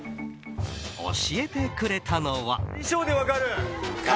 教えてくれたのは。